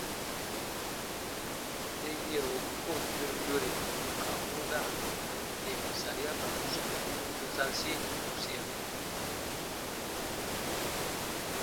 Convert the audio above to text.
Tem yɛ̃ro u koo tirenu yore ù ka wooda yèn sariaban sɔmburun yasansi tusia.